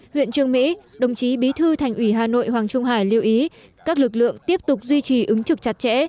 huyện trường mỹ đồng chí bí thư thành ủy hà nội hoàng trung hải lưu ý các lực lượng tiếp tục duy trì ứng trực chặt chẽ